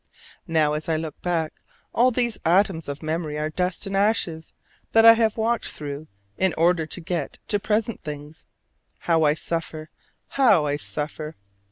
Now, as I look back, all these atoms of memory are dust and ashes that I have walked through in order to get to present things. How I suffer, how I suffer!